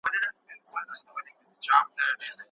شوروي پوځ د اشغال پر مهال یې له هغوی سره د